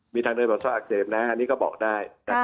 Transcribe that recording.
มีทางเดินปอดซ่ออักเสบนะอันนี้ก็บอกได้